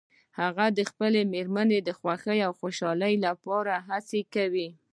هغه د خپلې مېرمنې د خوښې او خوشحالۍ لپاره هڅه کوي